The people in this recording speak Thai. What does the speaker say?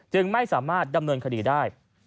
จึงไม่สามารถดำเนินคดีได้